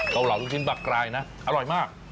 เหล่าลูกชิ้นปลากรายนะอร่อยมาก